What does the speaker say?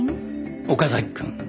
岡崎くん。